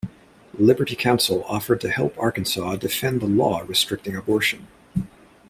Liberty Counsel offered to help Arkansas defend the law restricting abortion.